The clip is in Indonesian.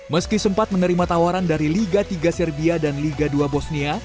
meski sempat menerima tawaran dari liga tiga serbia dan liga dua bosnia